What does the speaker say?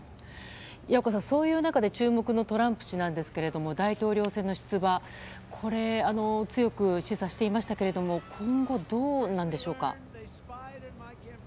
矢岡さん、そういう中で注目のトランプ氏ですが大統領選の出馬強く示唆していましたけれども今後、どうなんでしょうか。